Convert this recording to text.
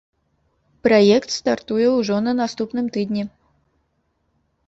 Праект стартуе ўжо на наступным тыдні.